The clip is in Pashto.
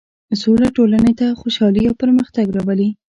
سوله ټولنې ته خوشحالي او پرمختګ راولي.